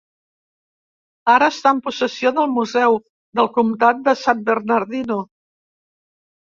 Ara està en possessió del Museu del Comtat de San Bernardino.